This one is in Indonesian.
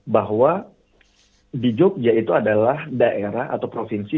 bahwa di jogja itu adalah daerah atau provinsi